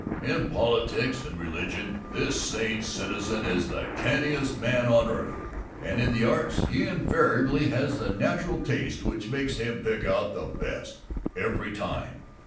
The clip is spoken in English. "'In politics and religion this Sane Citizen is the canniest man on earth; and in the arts he invariably has a natural taste which makes him pick out the best, every time.